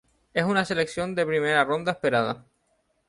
Es una selección de primera ronda esperada.